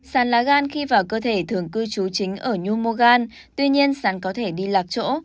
sán lá gan khi vào cơ thể thường cư trú chính ở nhu mô gan tuy nhiên sán có thể đi lạc chỗ